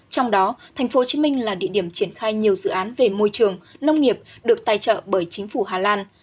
trong đó tp hcm là địa điểm triển khai nhiều dự án về môi trường nông nghiệp được tài trợ bởi chính phủ hà lan